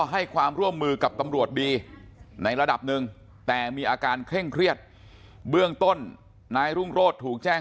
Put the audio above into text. ให้ความร่วมมือกับตำรวจดีในระดับหนึ่งแต่มีอาการเคร่งเครียดเบื้องต้นนายรุ่งโรธถูกแจ้ง